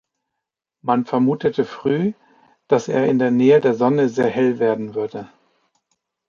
Man vermutete früh, dass er in der Nähe der Sonne sehr hell werden würde.